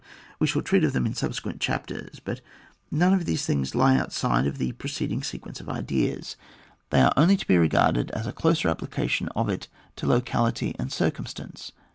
We sha]l treat of them in subsequent chapters, but none of these things lie outside of the preceding sequence of ideas; they are only to be regarded as a closer applica tion of it to locality and circumstances.